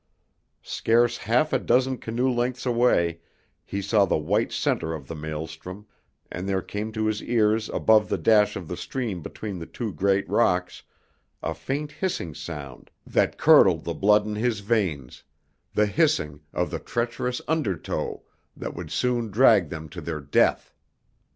Scarce half a dozen canoe lengths away he saw the white center of the maelstrom, and there came to his ears above the dash of the stream between the two great rocks a faint hissing sound that curdled the blood in his veins, the hissing of the treacherous undertow that would soon drag them to their death!